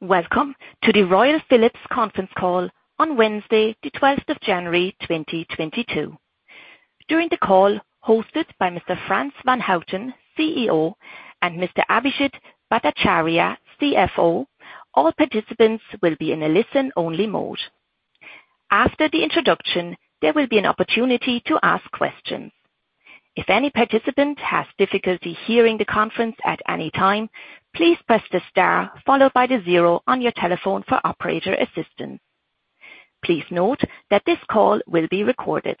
Welcome to the Royal Philips conference call on Wednesday, January 12th, 2022. During the call hosted by Mr. Frans van Houten, Chief Executive Officer, and Mr. Abhijit Bhattacharya, Chief Financial Officer, all participants will be in a listen-only mode. After the introduction, there will be an opportunity to ask questions. If any participant has difficulty hearing the conference at any time, please press the star followed by the zero on your telephone for operator assistance. Please note that this call will be recorded.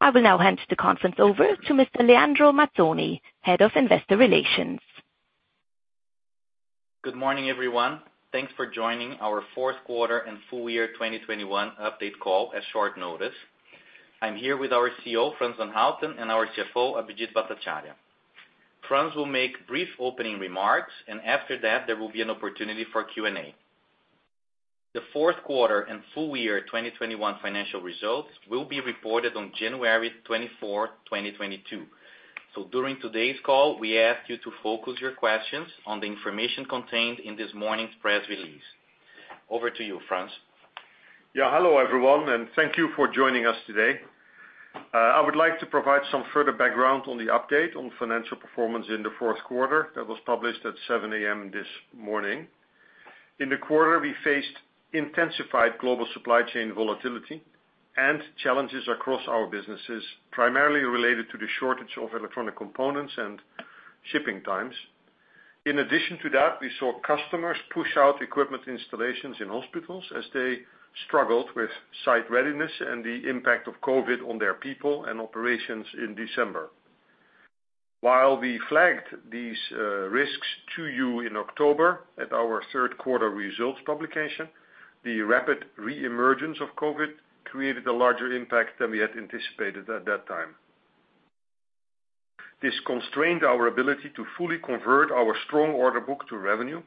I will now hand the conference over to Mr. Leandro Mazzoni, Head of Investor Relations. Good morning, everyone. Thanks for joining our fourth quarter and full year 2021 update call at short notice. I'm here with our Chief Executive Officer, Frans van Houten, and our Chief Financial Officer, Abhijit Bhattacharya. Frans will make brief opening remarks, and after that, there will be an opportunity for Q&A. The fourth quarter and full year 2021 financial results will be reported on January 24th, 2022. During today's call, we ask you to focus your questions on the information contained in this morning's press release. Over to you, Frans. Yeah, hello, everyone, and thank you for joining us today. I would like to provide some further background on the update on financial performance in the fourth quarter that was published at 7:00 A.M. this morning. In the quarter, we faced intensified global supply chain volatility and challenges across our businesses, primarily related to the shortage of electronic components and shipping times. In addition to that, we saw customers push out equipment installations in hospitals as they struggled with site readiness and the impact of COVID on their people and operations in December. While we flagged these risks to you in October at our third quarter results publication, the rapid re-emergence of COVID created a larger impact than we had anticipated at that time. This constrained our ability to fully convert our strong order book to revenue,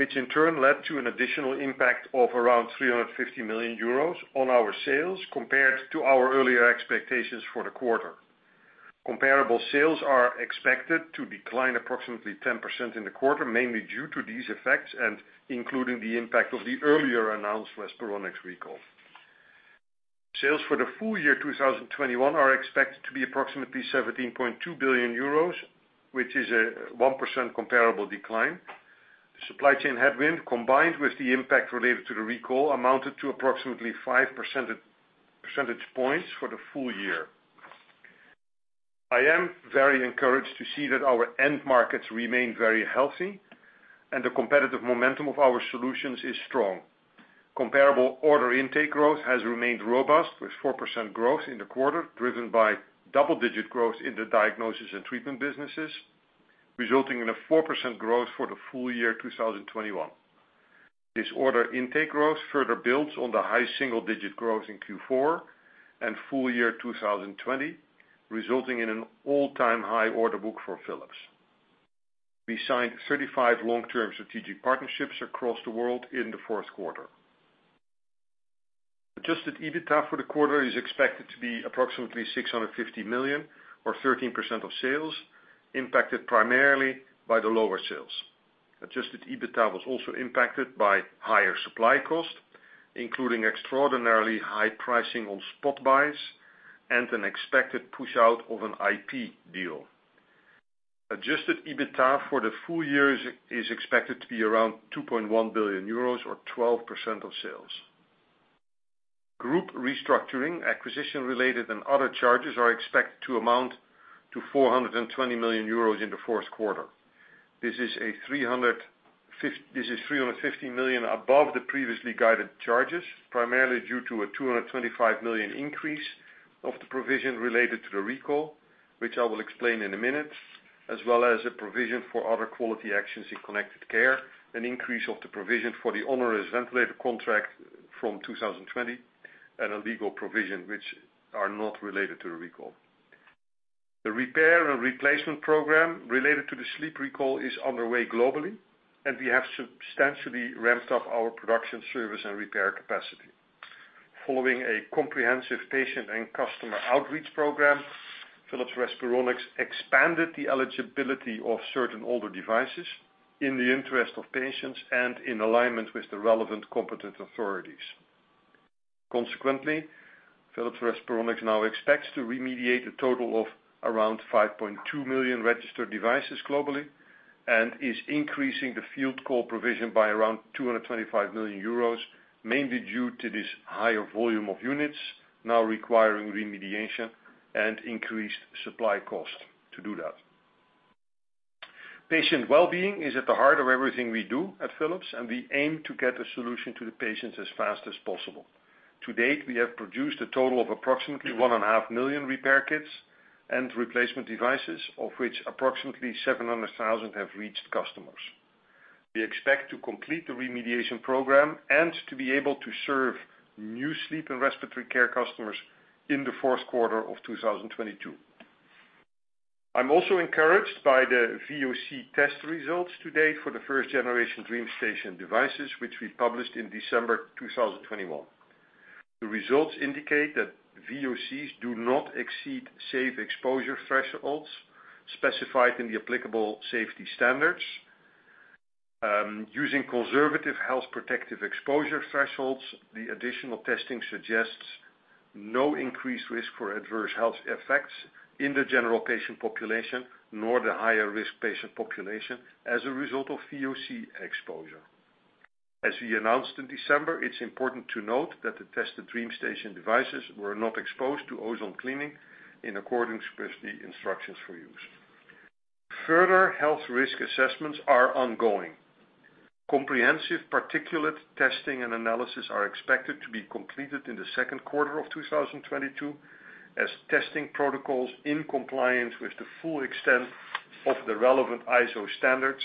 which in turn led to an additional impact of around 350 million euros on our sales compared to our earlier expectations for the quarter. Comparable sales are expected to decline approximately 10% in the quarter, mainly due to these effects and including the impact of the earlier announced Respironics recall. Sales for the full year 2021 are expected to be approximately 17.2 billion euros, which is a 1% comparable decline. Supply chain headwind, combined with the impact related to the recall, amounted to approximately 5 percentage points for the full year. I am very encouraged to see that our end markets remain very healthy and the competitive momentum of our solutions is strong. Comparable order intake growth has remained robust with 4% growth in the quarter, driven by double-digit growth in the Diagnosis & Treatment businesses, resulting in a 4% growth for the full year 2021. This order intake growth further builds on the high single-digit growth in Q4 and full year 2020, resulting in an all-time high order book for Philips. We signed 35 long-term strategic partnerships across the world in the fourth quarter. Adjusted EBITDA for the quarter is expected to be approximately 650 million or 13% of sales, impacted primarily by the lower sales. Adjusted EBITDA was also impacted by higher supply costs, including extraordinarily high pricing on spot buys and an expected push out of an IP deal. Adjusted EBITDA for the full year is expected to be around 2.1 billion euros or 12% of sales. Group restructuring, acquisition-related and other charges are expected to amount to 420 million euros in the fourth quarter. This is 350 million above the previously guided charges, primarily due to a 225 million increase of the provision related to the recall, which I will explain in a minute, as well as a provision for other quality actions in Connected Care, an increase of the provision for the onerous ventilator contract from 2020, and a legal provision which are not related to the recall. The repair and replacement program related to the sleep recall is underway globally, and we have substantially ramped up our production, service, and repair capacity. Following a comprehensive patient and customer outreach program, Philips Respironics expanded the eligibility of certain older devices in the interest of patients and in alignment with the relevant competent authorities. Consequently, Philips Respironics now expects to remediate a total of around 5.2 million registered devices globally and is increasing the field service provision by around 225 million euros, mainly due to this higher volume of units now requiring remediation and increased supply cost to do that. Patient well-being is at the heart of everything we do at Philips, and we aim to get a solution to the patients as fast as possible. To date, we have produced a total of approximately 1.5 million repair kits and replacement devices, of which approximately 700,000 have reached customers. We expect to complete the remediation program and to be able to serve new sleep and respiratory care customers in the fourth quarter of 2022. I'm also encouraged by the VOC test results to date for the first generation DreamStation devices, which we published in December 2021. The results indicate that VOCs do not exceed safe exposure thresholds specified in the applicable safety standards. Using conservative health protective exposure thresholds, the additional testing suggests no increased risk for adverse health effects in the general patient population, nor the higher-risk patient population as a result of VOC exposure. As we announced in December, it's important to note that the tested DreamStation devices were not exposed to ozone cleaning in accordance with the instructions for use. Further health risk assessments are ongoing. Comprehensive particulate testing and analysis are expected to be completed in the second quarter of 2022, as testing protocols in compliance with the full extent of the relevant ISO standards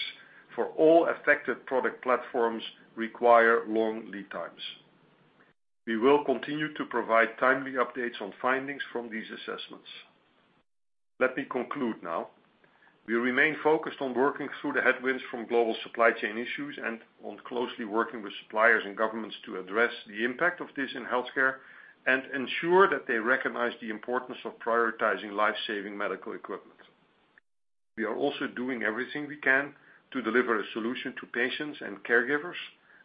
for all affected product platforms require long lead times. We will continue to provide timely updates on findings from these assessments. Let me conclude now. We remain focused on working through the headwinds from global supply chain issues and on closely working with suppliers and governments to address the impact of this in healthcare and ensure that they recognize the importance of prioritizing life-saving medical equipment. We are also doing everything we can to deliver a solution to patients and caregivers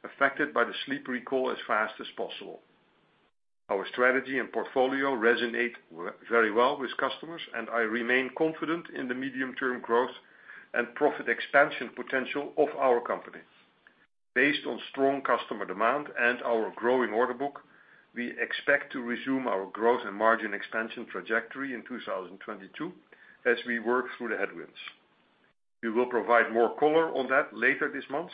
affected by the sleep recall as fast as possible. Our strategy and portfolio resonate very well with customers, and I remain confident in the medium-term growth and profit expansion potential of our company. Based on strong customer demand and our growing order book, we expect to resume our growth and margin expansion trajectory in 2022 as we work through the headwinds. We will provide more color on that later this month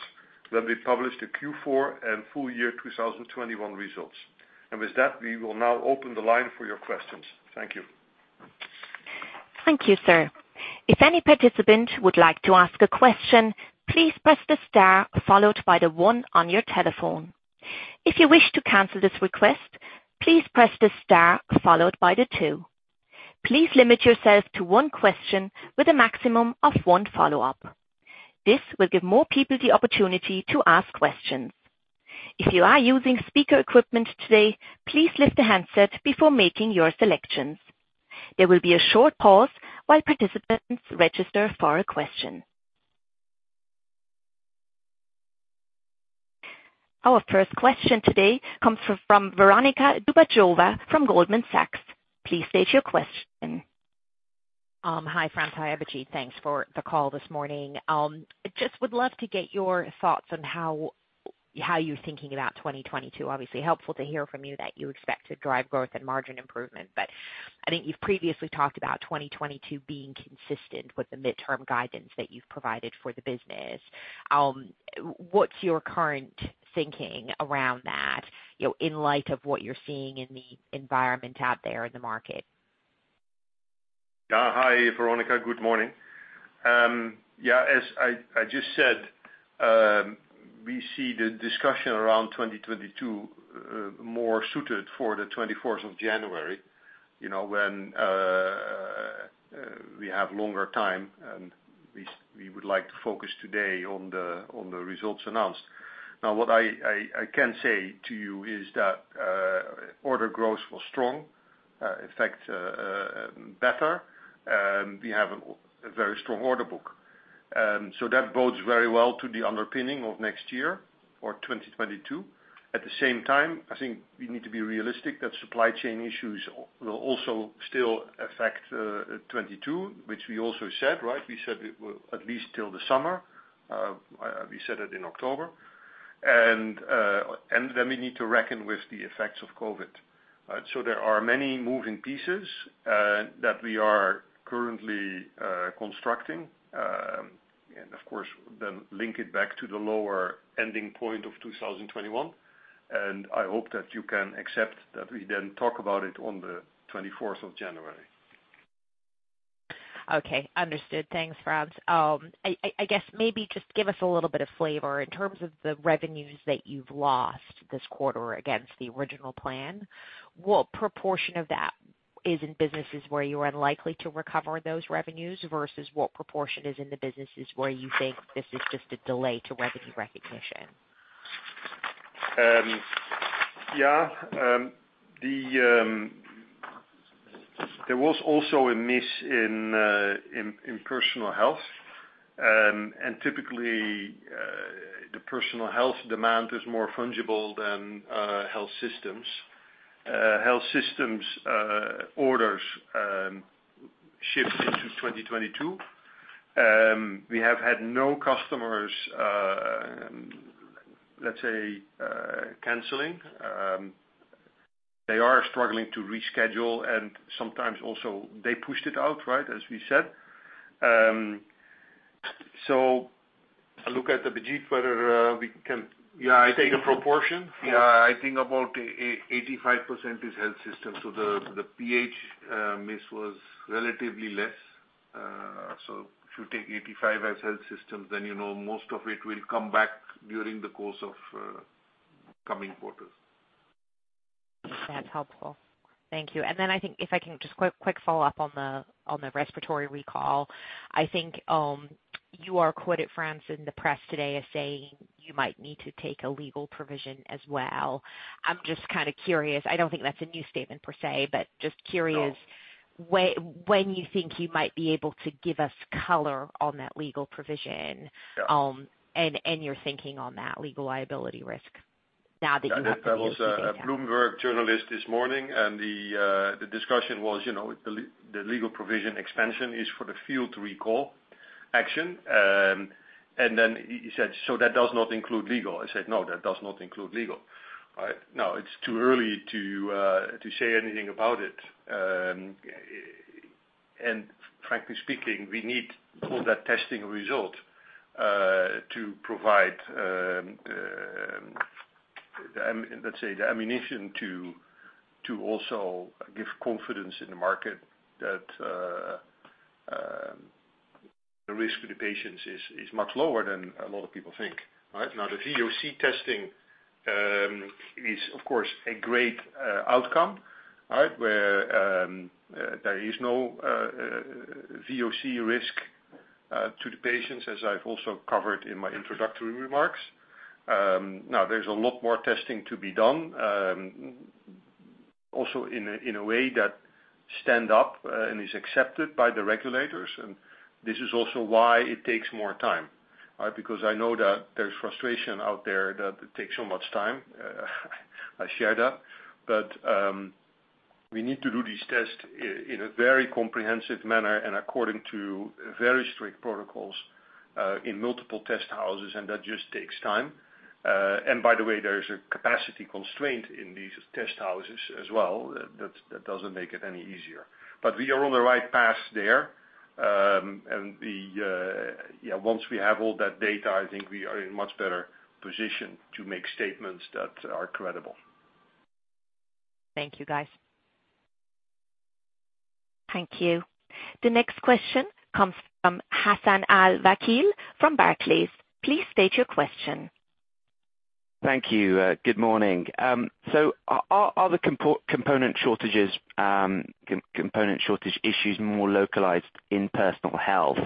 when we publish the Q4 and full year 2021 results. With that, we will now open the line for your questions. Thank you. Thank you, sir. If any participant would like to ask a question, please press the star followed by the one on your telephone. If you wish to cancel this request, please press the star followed by the two. Please limit yourself to one question with a maximum of one follow-up. This will give more people the opportunity to ask questions. If you are using speaker equipment today, please lift the handset before making your selections. There will be a short pause while participants register for a question. Our first question today comes from Veronika Dubajova from Goldman Sachs. Please state your question. Hi, Frans van Houten, thanks for the call this morning. I just would love to get your thoughts on how you're thinking about 2022. Obviously, helpful to hear from you that you expect to drive growth and margin improvement. I think you've previously talked about 2022 being consistent with the midterm guidance that you've provided for the business. What's your current thinking around that, you know, in light of what you're seeing in the environment out there in the market? Yeah. Hi, Veronika. Good morning. As I just said, we see the discussion around 2022 more suited for the 24th of January, you know, when we have longer time, and we would like to focus today on the results announced. Now, what I can say to you is that order growth was strong, in fact, better. We have a very strong order book. So that bodes very well to the underpinning of next year or 2022. At the same time, I think we need to be realistic that supply chain issues will also still affect 2022, which we also said, right? We said it will at least till the summer, we said it in October. Then we need to reckon with the effects of COVID, right? There are many moving pieces that we are currently constructing, and of course, then link it back to the lower ending point of 2021. I hope that you can accept that we then talk about it on the 24th of January. Okay. Understood. Thanks, Frans. I guess maybe just give us a little bit of flavor in terms of the revenues that you've lost this quarter against the original plan, what proportion of that is in businesses where you are unlikely to recover those revenues versus what proportion is in the businesses where you think this is just a delay to revenue recognition? Yeah. There was also a miss in Personal Health. Typically, the Personal Health demand is more fungible than health systems. Health systems orders shift into 2022. We have had no customers, let's say, canceling. They are struggling to reschedule, and sometimes also they pushed it out, right, as we said. I look at Abhijit whether we can- Yeah. Take a proportion. Yeah. I think about 85% is health systems. The PH miss was relatively less. If you take 85 as health systems, then you know most of it will come back during the course of coming quarters. That's helpful. Thank you. I think if I can just quick follow-up on the respiratory recall, I think, You are quoted, Frans, in the press today as saying you might need to take a legal provision as well. I'm just kind of curious. I don't think that's a new statement per se, but just curious. When you think you might be able to give us color on that legal provision- Yeah your thinking on that legal liability risk now that you have the VOC count? That was a Bloomberg journalist this morning, and the discussion was, you know, the legal provision expansion is for the field recall action. And then he said, "So that does not include legal?" I said, "No, that does not include legal." All right? Now, it's too early to say anything about it. And frankly speaking, we need all that testing result to provide let's say, the ammunition to also give confidence in the market that the risk to the patients is much lower than a lot of people think, right? Now, the VOC testing is of course a great outcome, all right? Where there is no VOC risk to the patients, as I've also covered in my introductory remarks. Now, there's a lot more testing to be done, also in a way that stands up and is accepted by the regulators. This is also why it takes more time, all right? Because I know that there's frustration out there that it takes so much time. I share that. We need to do these tests in a very comprehensive manner and according to very strict protocols, in multiple test houses, and that just takes time. By the way, there is a capacity constraint in these test houses as well. That doesn't make it any easier. We are on the right path there. Once we have all that data, I think we are in a much better position to make statements that are credible. Thank you, guys. Thank you. The next question comes from Hassan Al-Wakeel from Barclays. Please state your question. Thank you. Good morning. Are the component shortages, component shortage issues more localized in Personal Health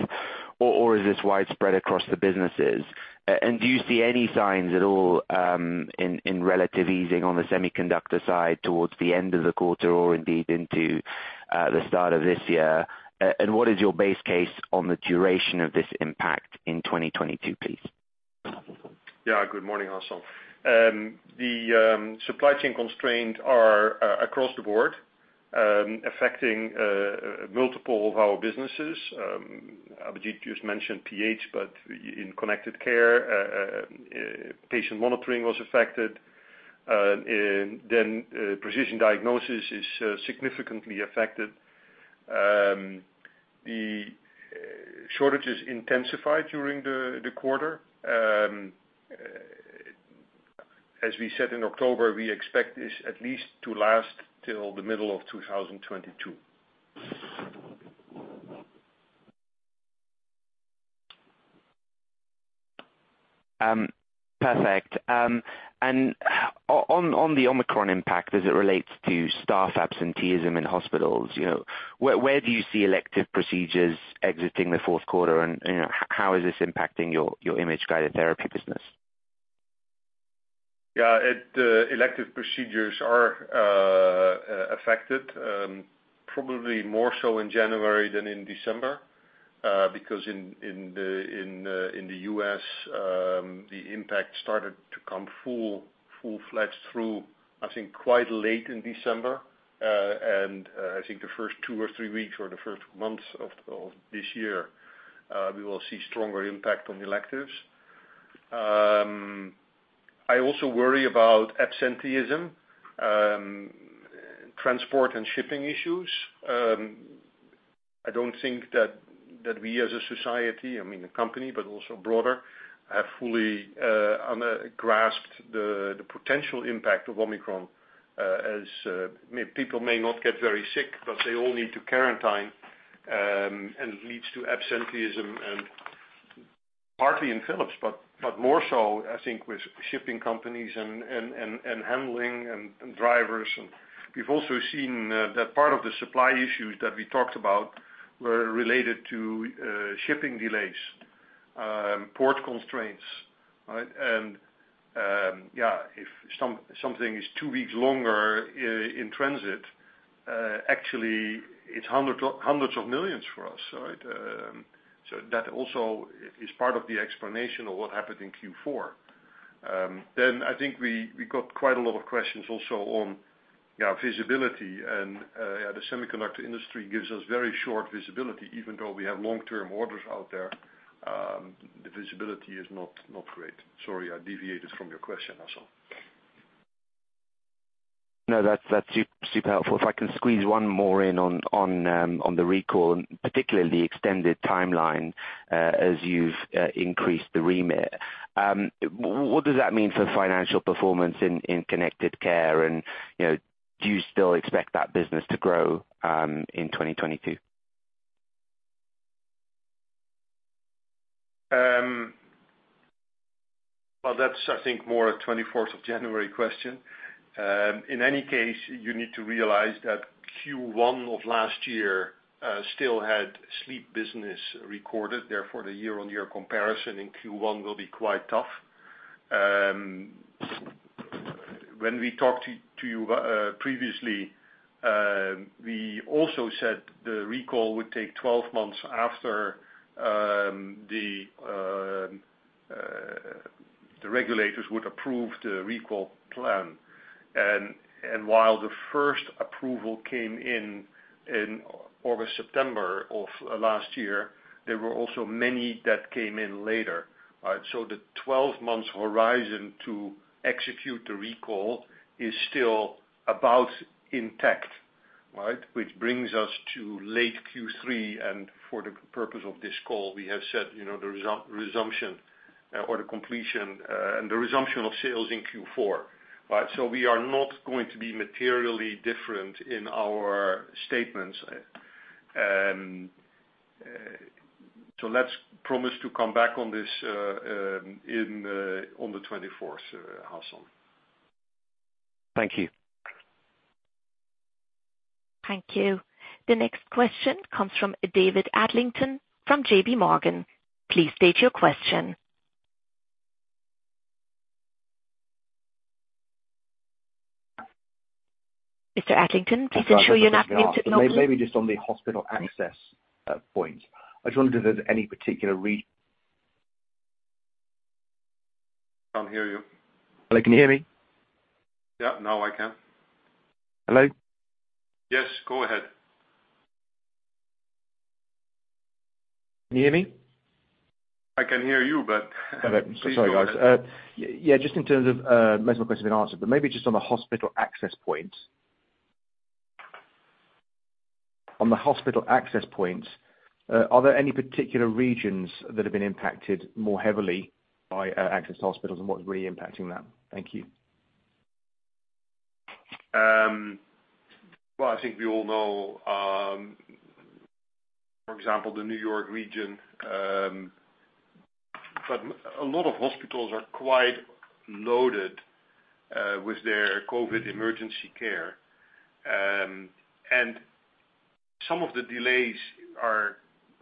or is this widespread across the businesses? Do you see any signs at all in relative easing on the semiconductor side towards the end of the quarter or indeed into the start of this year? What is your base case on the duration of this impact in 2022, please? Yeah. Good morning, Hassan. The supply chain constraints are across the board, affecting multiple of our businesses. Abhijit just mentioned PH, but in Connected Care, patient monitoring was affected. Precision Diagnosis is significantly affected. The shortages intensified during the quarter. As we said in October, we expect this at least to last till the middle of 2022. Perfect. On the Omicron impact as it relates to staff absenteeism in hospitals, you know, where do you see elective procedures exiting the fourth quarter? You know, how is this impacting your Image-guided Therapy business? Yeah. Elective procedures are affected, probably more so in January than in December, because in the U.S., the impact started to come full-fledged through, I think, quite late in December. I think the first two or three weeks or the first months of this year, we will see stronger impact on electives. I also worry about absenteeism, transport and shipping issues. I don't think that we as a society, I mean, the company, but also broader, have fully grasped the potential impact of Omicron, as people may not get very sick, but they all need to quarantine, and it leads to absenteeism and partly in Philips, but more so I think with shipping companies and handling and drivers. We've also seen that part of the supply issues that we talked about were related to shipping delays, port constraints, all right? If something is 2 weeks longer in transit, actually it's hundreds of millions EUR for us, all right? That also is part of the explanation of what happened in Q4. I think we got quite a lot of questions also on visibility. The semiconductor industry gives us very short visibility. Even though we have long-term orders out there, the visibility is not great. Sorry, I deviated from your question, Hassan. No, that's super helpful. If I can squeeze one more in on the recall, and particularly the extended timeline, as you've increased the remit. What does that mean for financial performance in Connected Care? You know, do you still expect that business to grow in 2022? Well, that's, I think, more a 24th of January question. In any case, you need to realize that Q1 of last year still had sleep business recorded. Therefore, the year-on-year comparison in Q1 will be quite tough. When we talked to you previously, we also said the recall would take 12 months after the regulators would approve the recall plan. And while the first approval came in August, September of last year, there were also many that came in later, so the 12-month horizon to execute the recall is still about intact, right? Which brings us to late Q3, and for the purpose of this call, we have said, you know, the resumption or the completion and the resumption of sales in Q4, right? We are not going to be materially different in our statements. Let's promise to come back on this on the twenty-fourth, Hassan. Thank you. Thank you. The next question comes from David Adlington from J.P. Morgan. Please state your question. Mr. Adlington, please ensure you're unmuted now. Maybe just on the hospital access point. I just wondered if there's any particular? Can't hear you. Hello, can you hear me? Yeah, now I can. Hello? Yes, go ahead. Can you hear me? I can hear you, but please go ahead. Sorry, guys. Yeah, just in terms of, most of my questions have been answered, but maybe just on the hospital access point. On the hospital access point, are there any particular regions that have been impacted more heavily by, access to hospitals and what's really impacting that? Thank you. Well, I think we all know, for example, the New York region, but a lot of hospitals are quite loaded with their COVID emergency care. Some of the delays are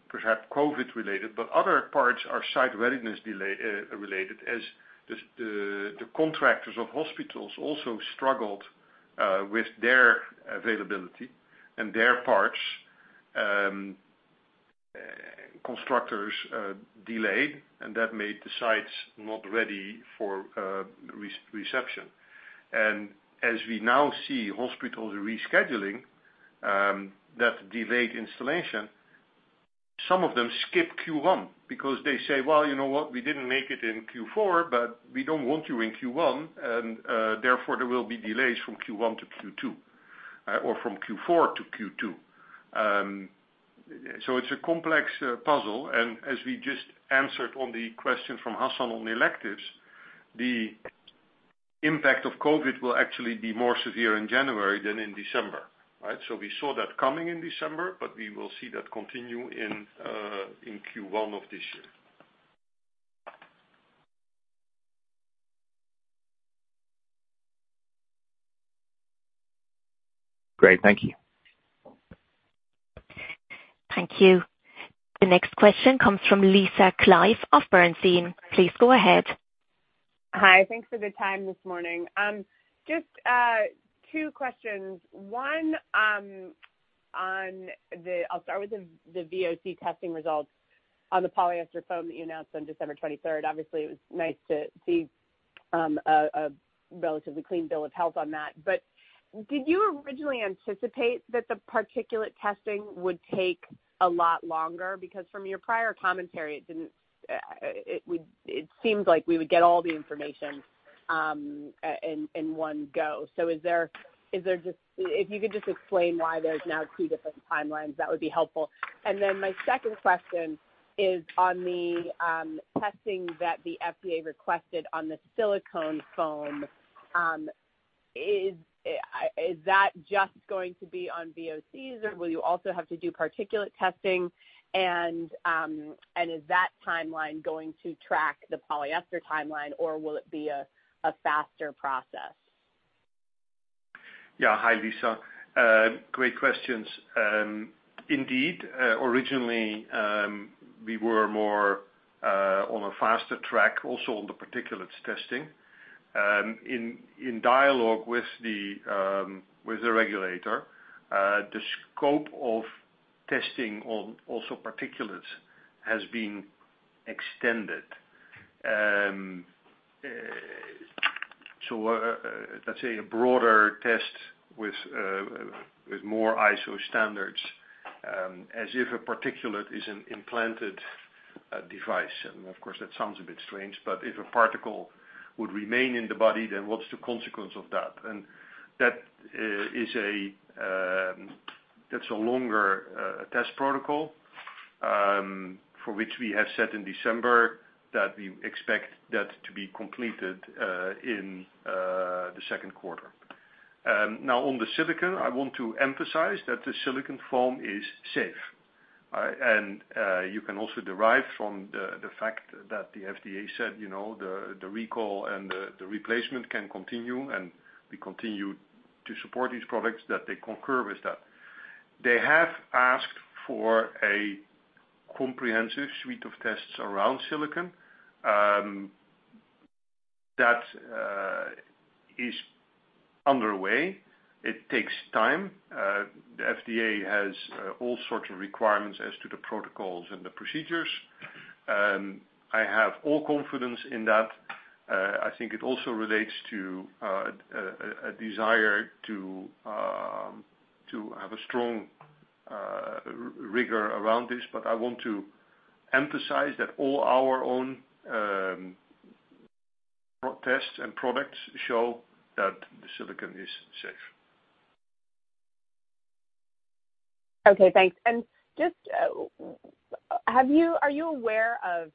perhaps COVID-related, but other parts are site readiness delay related, as the contractors of hospitals also struggled with their availability and their parts, construction delayed, and that made the sites not ready for reception. As we now see hospitals rescheduling that delayed installation, some of them skip Q1 because they say, "Well, you know what? We didn't make it in Q4, but we don't want you in Q1," and therefore, there will be delays from Q1 to Q2 or from Q4 to Q2. It's a complex puzzle, and as we just answered on the question from Hassan on electives, the impact of COVID will actually be more severe in January than in December, right? We saw that coming in December, but we will see that continue in Q1 of this year. Great. Thank you. Thank you. The next question comes from Lisa Clive of Bernstein. Please go ahead. Hi. Thanks for the time this morning. Just two questions. One, on the VOC testing results on the polyester foam that you announced on December twenty-third. Obviously, it was nice to see a relatively clean bill of health on that. Did you originally anticipate that the particulate testing would take a lot longer? Because from your prior commentary, it seemed like we would get all the information in one go. Is there just. If you could just explain why there's now two different timelines, that would be helpful. Then my second question is on the testing that the FDA requested on the silicone foam. Is that just going to be on VOCs, or will you also have to do particulate testing? Is that timeline going to track the polyester timeline, or will it be a faster process? Yeah. Hi, Lisa. Great questions. Indeed, originally, we were more on a faster track also on the particulates testing. In dialogue with the regulator, the scope of testing on also particulates has been extended. Let's say a broader test with more ISO standards, as if a particulate is an implanted device. Of course, that sounds a bit strange, but if a particle would remain in the body, then what's the consequence of that? That is a longer test protocol, for which we have said in December that we expect that to be completed in the second quarter. Now on the silicone, I want to emphasize that the silicone foam is safe. You can also derive from the fact that the FDA said, you know, the recall and the replacement can continue, and we continue to support these products that they concur with that. They have asked for a comprehensive suite of tests around silicone that is underway. It takes time. The FDA has all sorts of requirements as to the protocols and the procedures. I have all confidence in that. I think it also relates to a desire to have a strong rigor around this, but I want to emphasize that all our own tests and products show that the silicone is safe. Okay, thanks. Just, are you aware of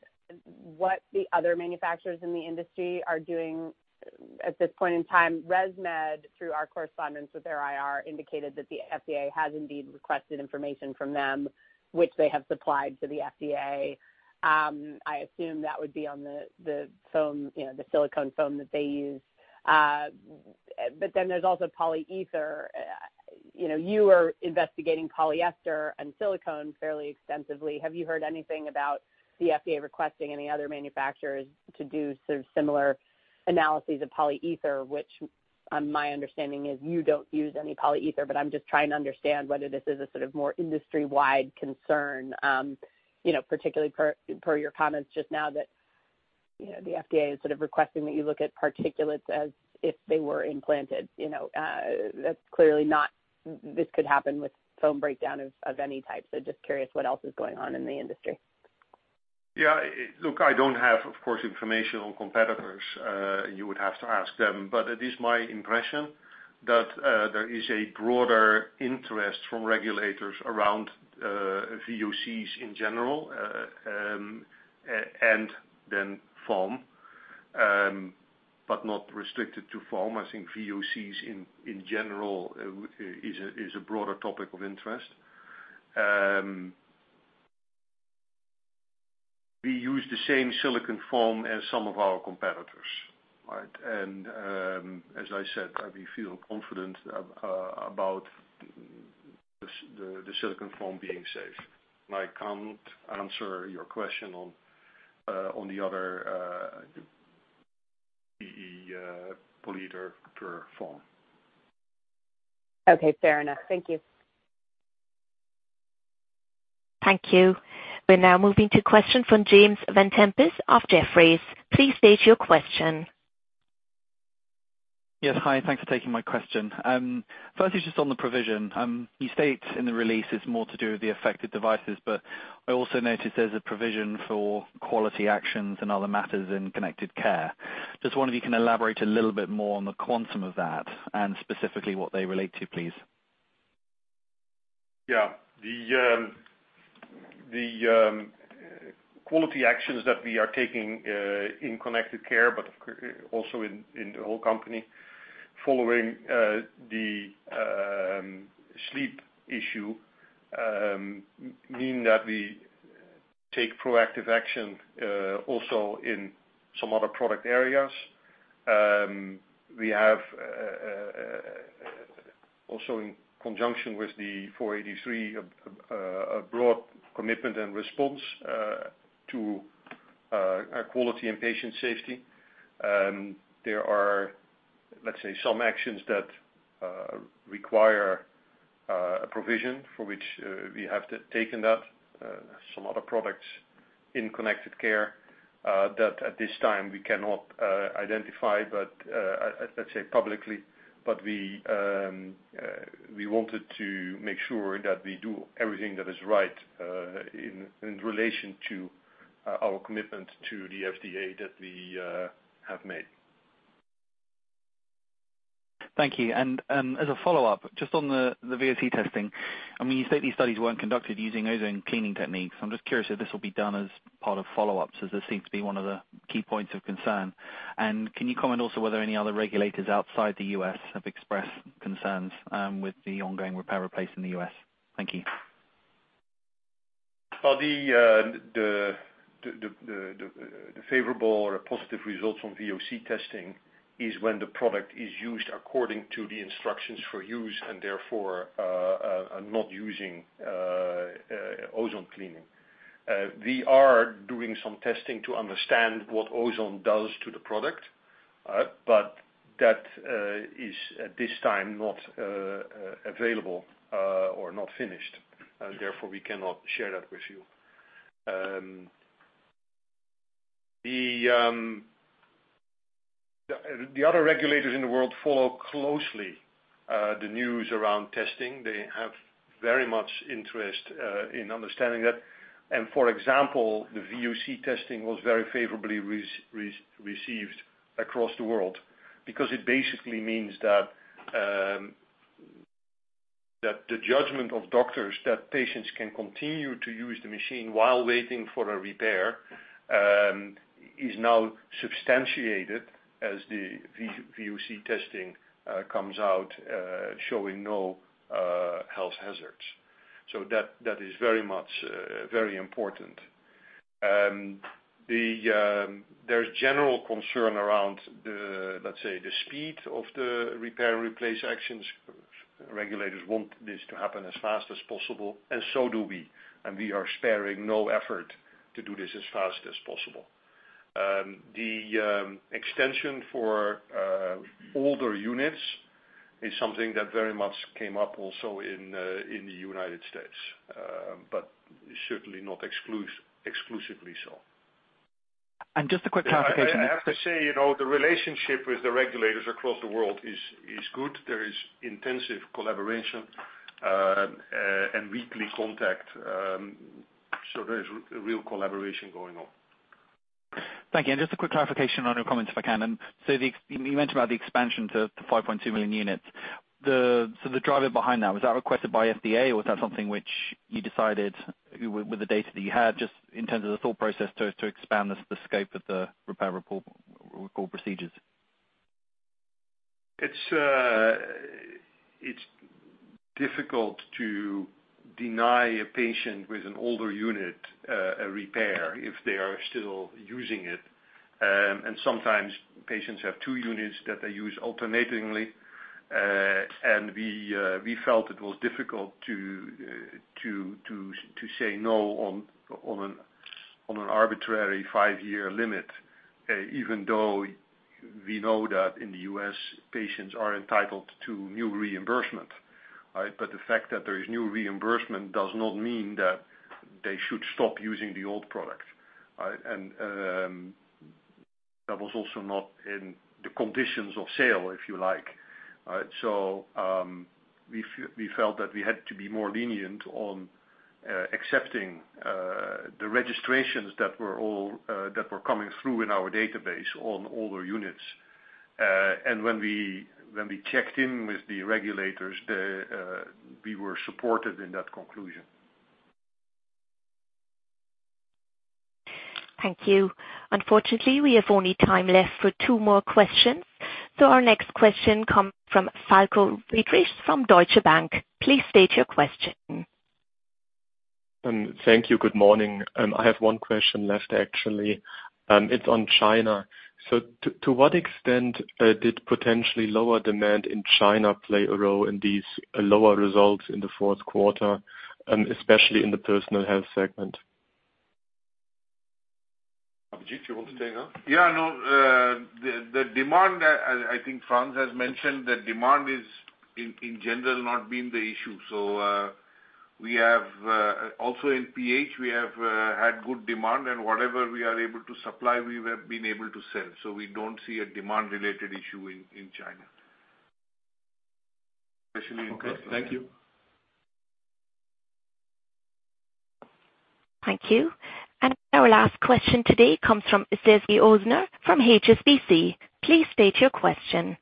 what the other manufacturers in the industry are doing at this point in time? ResMed, through our correspondence with their IR, indicated that the FDA has indeed requested information from them, which they have supplied to the FDA. I assume that would be on the foam, you know, the silicone foam that they use. Then there's also polyether. You know, you are investigating polyester and silicone fairly extensively. Have you heard anything about the FDA requesting any other manufacturers to do sort of similar analyses of polyether, which my understanding is you don't use any polyether, but I'm just trying to understand whether this is a sort of more industry-wide concern, you know, particularly per your comments just now that, you know, the FDA is sort of requesting that you look at particulates as if they were implanted. You know, this could happen with foam breakdown of any type. Just curious what else is going on in the industry. Yeah. Look, I don't have, of course, information on competitors. You would have to ask them. It is my impression that there is a broader interest from regulators around VOCs in general, and then foam, but not restricted to foam. I think VOCs in general is a broader topic of interest. We use the same silicone foam as some of our competitors, right? As I said, we feel confident about the silicone foam being safe. I can't answer your question on the other PE polyether foam. Okay, fair enough. Thank you. Thank you. We're now moving to a question from James Vane-Tempest of Jefferies. Please state your question. Yes. Hi, thanks for taking my question. Firstly, just on the provision, you state in the release it's more to do with the affected devices, but I also noticed there's a provision for quality actions and other matters in Connected Care. I just wonder if you can elaborate a little bit more on the quantum of that, and specifically what they relate to, please. Yeah. The quality actions that we are taking in Connected Care, but also in the whole company following the sleep issue mean that we take proactive action also in some other product areas. We have also in conjunction with the Form 483 a broad commitment and response to quality and patient safety. There are, let's say, some actions that require a provision for which we have taken that some other products in Connected Care that at this time we cannot identify, let's say publicly, but we wanted to make sure that we do everything that is right in relation to our commitment to the FDA that we have made. Thank you. As a follow-up, just on the VOC testing, I mean, you state these studies weren't conducted using ozone cleaning techniques. I'm just curious if this will be done as part of follow-ups, as this seems to be one of the key points of concern. Can you comment also whether any other regulators outside the U.S. have expressed concerns with the ongoing repair or replace in the U.S.? Thank you. Well, the favorable or positive results from VOC testing is when the product is used according to the instructions for use and therefore not using ozone cleaning. We are doing some testing to understand what ozone does to the product, but that is at this time not available or not finished, and therefore we cannot share that with you. The other regulators in the world follow closely the news around testing. They have very much interest in understanding that. For example, the VOC testing was very favorably received across the world because it basically means that the judgment of doctors that patients can continue to use the machine while waiting for a repair is now substantiated as the VOC testing comes out showing no health hazards. That is very much very important. There's general concern around, let's say, the speed of the repair and replace actions. Regulators want this to happen as fast as possible, and so do we, and we are sparing no effort to do this as fast as possible. The extension for older units is something that very much came up also in the United States but certainly not exclusively so. Just a quick clarification. I have to say, you know, the relationship with the regulators across the world is good. There is intensive collaboration, and weekly contact. There is a real collaboration going on. Thank you, and just a quick clarification on your comments, if I can. You mentioned about the expansion to 5.2 million units. The driver behind that, was that requested by FDA or was that something which you decided with the data that you had, just in terms of the thought process to expand the scope of the repair recall procedures? It's difficult to deny a patient with an older unit a repair if they are still using it. Sometimes patients have two units that they use alternately. We felt it was difficult to say no on an arbitrary five-year limit, even though we know that in the U.S., patients are entitled to new reimbursement, right? The fact that there is new reimbursement does not mean that they should stop using the old product, right? We felt that we had to be more lenient on accepting the registrations that were coming through in our database on older units. When we checked in with the regulators, we were supported in that conclusion. Thank you. Unfortunately, we have only time left for two more questions. Our next question comes from Falko Friedrichs from Deutsche Bank. Please state your question. Thank you. Good morning. I have one question left, actually. It's on China. To what extent did potentially lower demand in China play a role in these lower results in the fourth quarter, especially in the Personal Health segment? Abhijit, you want to take that? Yeah, no. The demand, I think Frans has mentioned that demand is in general not been the issue. We have also in PH had good demand, and whatever we are able to supply, we have been able to sell. We don't see a demand-related issue in China. Okay, thank you. Thank you. Our last question today comes from Sezgi Ozener from HSBC. Please state your question.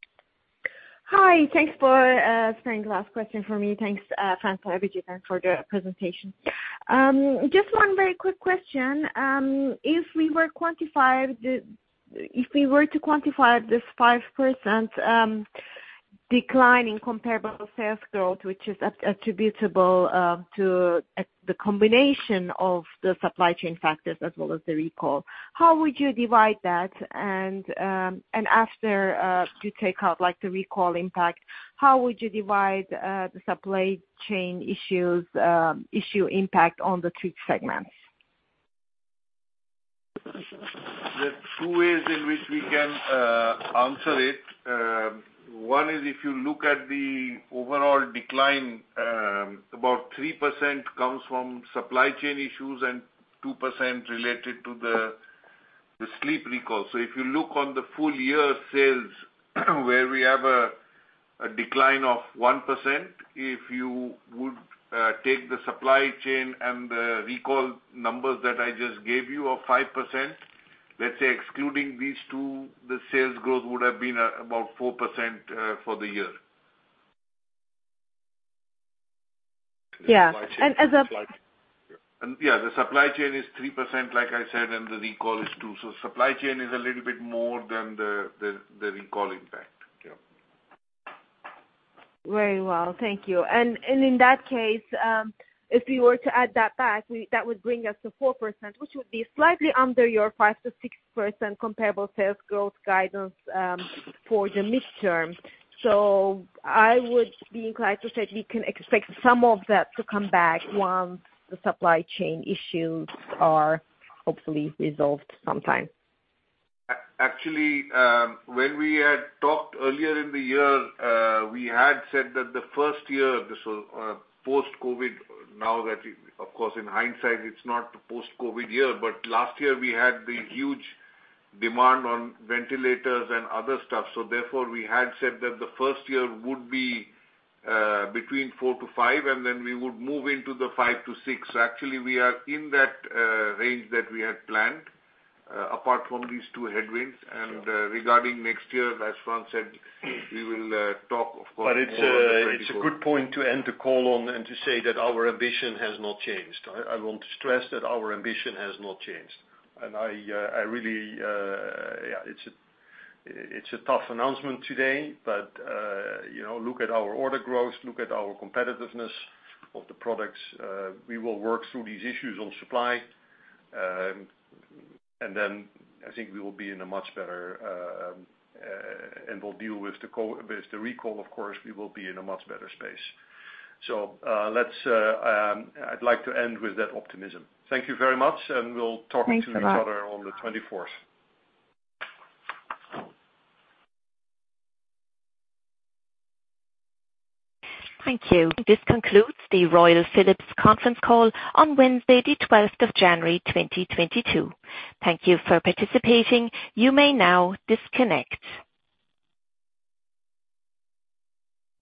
Hi. Thanks for saving the last question for me. Thanks, Frans and Abhijit, and for the presentation. Just one very quick question. If we were to quantify this 5% decline in comparable sales growth, which is attributable to the combination of the supply chain factors as well as the recall, how would you divide that? After you take out, like, the recall impact, how would you divide the supply chain issue impact on the three segments? There are two ways in which we can answer it. One is if you look at the overall decline, about 3% comes from supply chain issues and 2% related to the sleep recall. If you look on the full year sales where we have a decline of 1%, if you would take the supply chain and the recall numbers that I just gave you of 5%, let's say excluding these two, the sales growth would have been about 4% for the year. Yeah. Yeah, the supply chain is 3%, like I said, and the recall is 2%. Supply chain is a little bit more than the recall impact. Yeah. Very well. Thank you. In that case, if we were to add that back, that would bring us to 4%, which would be slightly under your 5%-6% comparable sales growth guidance for the midterm. I would be inclined to say we can expect some of that to come back once the supply chain issues are hopefully resolved sometime. Actually, when we had talked earlier in the year, we had said that the first year, this was post-COVID. Now that, of course, in hindsight, it's not post-COVID year, but last year we had the huge demand on ventilators and other stuff. Therefore, we had said that the first year would be between 4-5, and then we would move into the 5-6. Actually, we are in that range that we had planned, apart from these two headwinds. Regarding next year, as Frans said, we will talk, of course, more on the 24th. It's a good point to end the call on and to say that our ambition has not changed. I want to stress that our ambition has not changed. I really. Yeah, it's a tough announcement today, but you know, look at our order growth, look at our competitiveness of the products. We will work through these issues on supply. Then I think we will be in a much better, and we'll deal with the recall, of course. We will be in a much better space. I'd like to end with that optimism. Thank you very much, and we'll talk to each other on the twenty-fourth. Thanks a lot. Thank you. This concludes the Royal Philips conference call on Wednesday, the 12th of January, 2022. Thank you for participating. You may now disconnect.